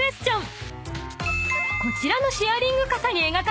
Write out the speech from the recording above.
［こちらのシェアリング］